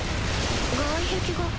外壁が。